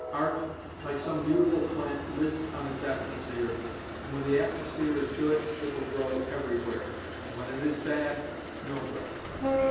Art, like some beautiful plant, lives on its atmosphere, and when the atmosphere is good, it will grow everywhere, and when it is bad nowhere.